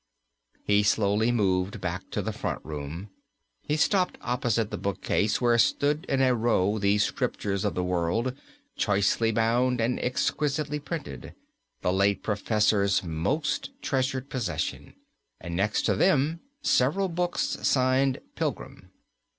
He slowly moved back to the front room. He stopped opposite the bookcase where stood in a row the "Scriptures of the World," choicely bound and exquisitely printed, the late professor's most treasured possession, and next to them several books signed "Pilgrim."